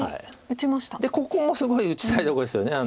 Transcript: ここもすごい打ちたいとこですよね。